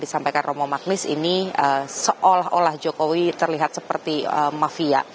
disampaikan romo magnis ini seolah olah jokowi terlihat seperti mafia